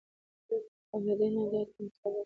او له دې نه دا مطلب اخلو